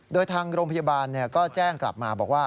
โดยทางโรงพยาบาลก็แจ้งกลับมาบอกว่า